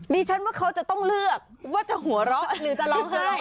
ดิฉันว่าเขาจะต้องเลือกว่าจะหัวเราะหรือจะร้องไห้